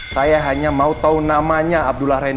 saya hanya maau tau namanya abdullah randy